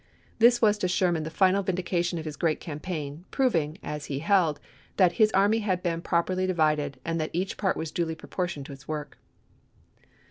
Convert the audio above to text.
This was to Sherman the final vindication of his great cam paign, proving, as he held, that "his army had been properly divided, and that each part was duly proportioned to its work."